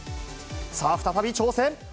さあ、再び挑戦。